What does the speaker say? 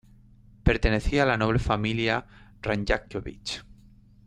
Pertenecía a la noble familia Mrnjavčević.